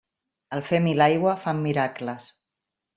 El fem i l'aigua fan miracles.